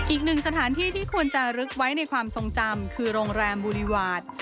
อีกหนึ่งสถานที่ที่ควรจะลึกไว้ในความทรงจำคือโรงแรมบุรีวาด